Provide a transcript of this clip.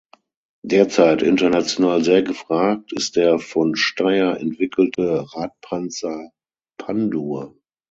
Derzeit international sehr gefragt ist der von Steyr entwickelte Radpanzer „Pandur“.